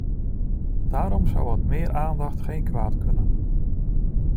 Daarom zou wat meer aandacht geen kwaad kunnen.